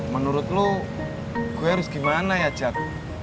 menurut lo gue harus gimana ya jat